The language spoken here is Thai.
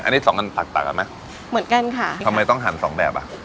อันนี้สองอันแตกต่างกันไหมเหมือนกันค่ะทำไมต้องหั่นสองแบบอ่ะ